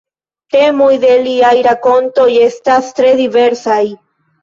La temoj de liaj rakontoj estas tre diversaj.